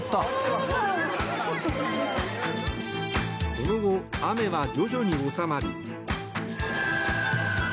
その後、雨は徐々に収まり。